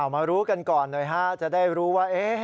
มารู้กันก่อนหน่อยจะได้รู้ว่า